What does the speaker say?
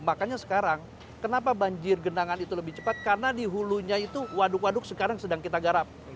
makanya sekarang kenapa banjir genangan itu lebih cepat karena di hulunya itu waduk waduk sekarang sedang kita garap